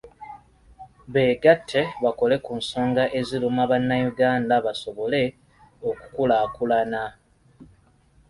Beegatte bakole ku nsonga eziruma bannayuganda, basobole okukulaakulana.